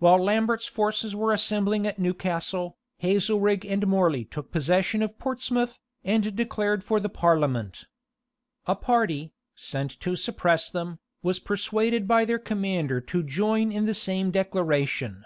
While Lambert's forces were assembling at Newcastle, Hazelrig and Morley took possession of Portsmouth, and declared for the parliament. A party, sent to suppress them, was persuaded by their commander to join in the same declaration.